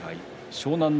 湘南乃